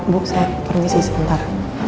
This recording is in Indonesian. bu saya permisi sebentar